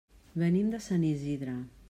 Venim de Sant Isidre.